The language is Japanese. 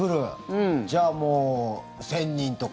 じゃあもう１０００人とか。